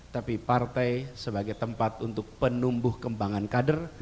tapi partai sebagai tempat untuk penumbuh kembangan kader